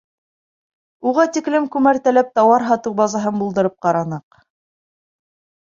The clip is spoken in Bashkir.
Уға тиклем күмәртәләп тауар һатыу базаһын булдырып ҡараныҡ.